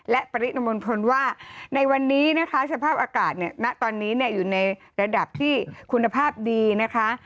และปริมณฑลว่าในวันนี้นะคะสภาพอากาศเนี่ยณตอนนี้อยู่ในระดับที่คุณภาพดีนะคะ